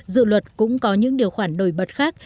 dự luật cũng có những điều khoản nổi bật khác